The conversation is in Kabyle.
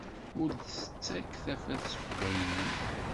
Ur d-tettekk tafat seg uddaynin.